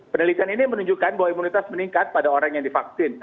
penelitian ini menunjukkan bahwa imunitas meningkat pada orang yang divaksin